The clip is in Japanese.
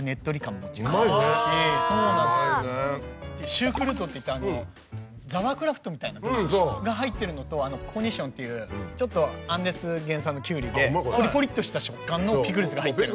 シュークルートっていってザワークラウトみたいなキャベツが入ってるのとコーニッションっていうアンデス原産のキュウリでポリポリっとした食感のピクルスが入ってるので。